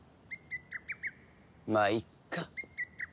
まあいっか。